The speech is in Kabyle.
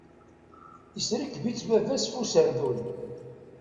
Iserkeb-itt baba-s f userdun.